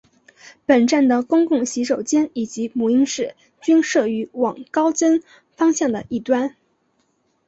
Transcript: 本站的公共洗手间以及母婴室均设于往高增方向的一端。